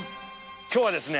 今日はですね